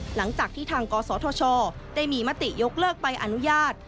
หลังจากที่ทางกศธชได้มีมติยกเลิกใบอนุญาต